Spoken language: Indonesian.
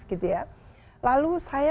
gitu ya lalu saya